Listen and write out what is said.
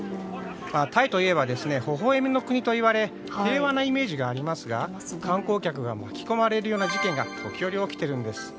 タイといえばほほ笑みの国といわれ平和なイメージがありますが観光客が巻き込まれる事件が時折起きているんです。